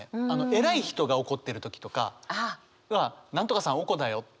偉い人が怒ってる時とかは「何とかさんおこだよ」とか。